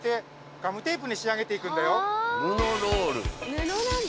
布なんだ？